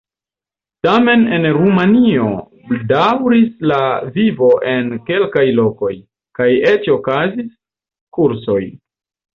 Tamen en Rumanio daŭris la vivo en kelkaj lokoj, kaj eĉ okazis kursoj.